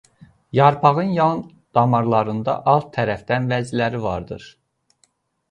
Yarpağın yan damarlarında alt tərəfdən vəziləri vardır.